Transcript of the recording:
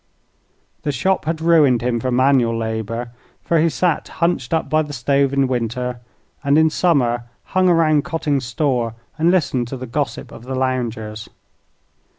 The shop had ruined him for manual labor, for he sat hunched up by the stove in winter, and in summer hung around Cotting's store and listened to the gossip of the loungers.